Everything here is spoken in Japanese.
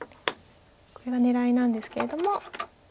これが狙いなんですけれども。